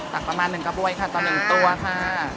ตักประมาณหนึ่งกระบวยค่ะตัวหนึ่งตัวค่ะ